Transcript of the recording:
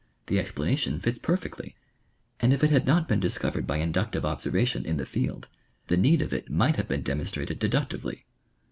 The explanation fits perfectly, and if it had not been discovered by inductive observation in the field, the need of it might have been demonstrated deductively.